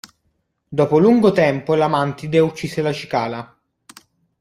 Dopo lungo tempo la Mantide uccise la Cicala.